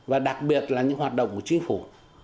và đặc biệt là những hoạt động của chính phủ